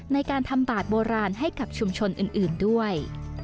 ในการทำบาทโบราณให้กับชุมชนอื่นด้วย